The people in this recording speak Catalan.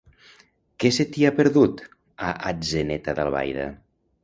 Què se t'hi ha perdut, a Atzeneta d'Albaida?